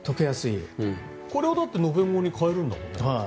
これを延べ棒に変えるんだもんね。